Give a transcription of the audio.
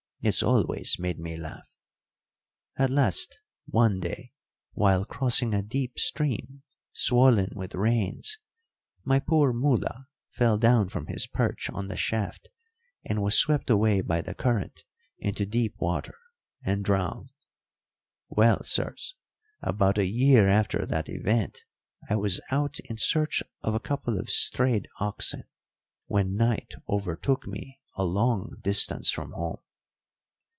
This always made me laugh. "At last, one day, while crossing a deep stream, swollen with rains, my poor Mula fell down from his perch on the shaft and was swept away by the current into deep water and drowned. Well, sirs, about a year after that event I was out in search of a couple of strayed oxen when night overtook me a long distance from home.